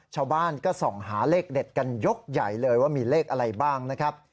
ชาวบ้านก็ส่องหาเลขเด็ดกันยกใหญ่เลยว่ามีเลขอะไรบ้างนะครับ